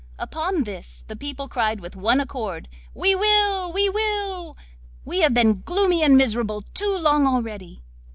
Upon this the people cried with one accord, 'We will, we will! we have been gloomy and miserable too long already.